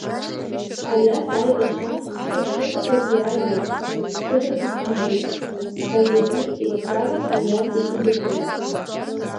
Алиас, аибашьраан ҳхы ҭызгоз иара иоуп, ҳқыҭагьы ҭигоит, ҳәа зегьы еицҿакны Алиас ихьӡ рҳәеит.